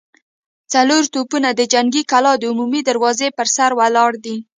څلور توپونه د جنګي کلا د عمومي دروازې پر سر ولاړ دي.